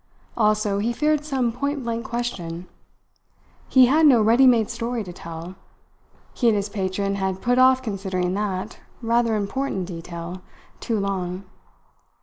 Also, he feared some pointblank question. He had no ready made story to tell. He and his patron had put off considering that rather important detail too long.